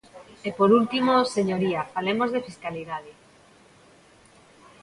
E, por último, señoría, falemos de fiscalidade.